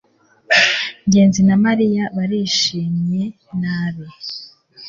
ngenzi na mariya barishimye nabi